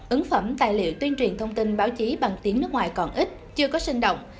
ấn phẩm tài liệu tuyên truyền thông tin báo chí bằng tiếng nước ngoài còn ít chưa có sinh động